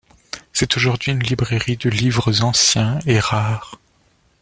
C'est aujourd'hui une librairie de livres anciens et rares.